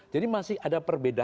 jadi masih ada perbedaan